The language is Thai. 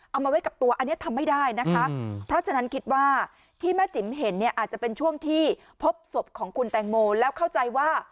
เอามาไว้กับตัวอันนี้ทำไม่ได้นะคะเพราะฉะนั้นคิดว่าที่แม่จิ๋มเห็นเนี่ยอาจจะเป็นช่วงที่พบศพของคุณแตงโมแล้วเข้าใจว่า